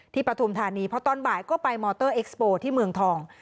ปฐุมธานีเพราะตอนบ่ายก็ไปมอเตอร์เอ็กซ์โปร์ที่เมืองทอง